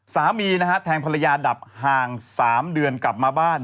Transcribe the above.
สามีนะฮะแทงภรรยาดับห่าง๓เดือนกลับมาบ้าน